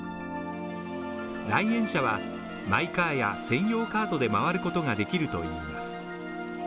来園者はマイカーや専用カードで回ることができるといいます。